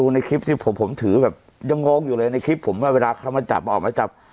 ในคลิปที่ผมถือแบบยังงงอยู่เลยในคลิปผมว่าเวลาเขามาจับออกมาจับ